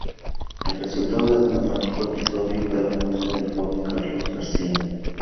El resultado del dramático episodio fue la muerte del joven Carlos García.